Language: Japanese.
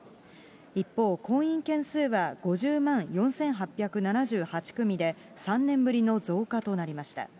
一方、婚姻件数は５０万４８７８組で、３年ぶりの増加となりました。